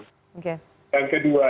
oke yang kedua